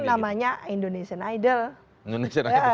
itu namanya indonesian idol